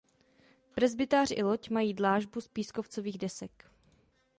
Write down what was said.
Presbytář i loď mají dlážbu z pískovcových desek.